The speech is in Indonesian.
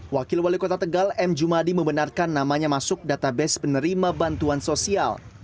wakil wali kota tegal m jumadi membenarkan namanya masuk database penerima bantuan sosial